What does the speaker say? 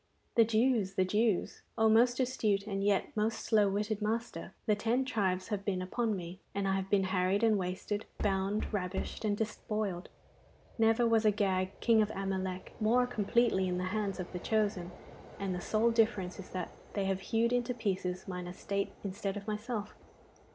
'The Jews, the Jews, oh most astute and yet most slow witted master! The ten tribes have been upon me, and I have been harried and wasted, bound, ravished, and despoiled. Never was Agag, king of Amalek, more completely in the hands of the chosen, and the sole difference is that they have hewed into pieces mine estate instead of myself.